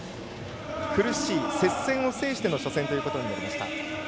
苦しい接戦を制しての初戦ということになりました。